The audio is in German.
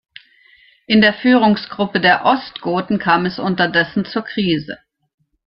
In der Führungsgruppe der Ostgoten kam es unterdessen zur Krise.